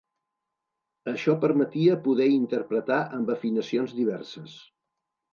Això permetia poder interpretar amb afinacions diverses.